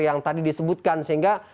yang tadi disebutkan sehingga